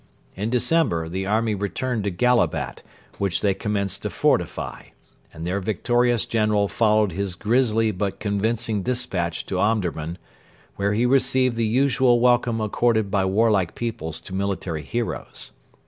In December the army returned to Gallabat, which they commenced to fortify, and their victorious general followed his grisly but convincing despatch to Omdurman, where he received the usual welcome accorded by warlike peoples to military heroes.